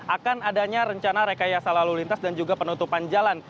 akan adanya rencana rekayasa lalu lintas dan juga penutupan jalan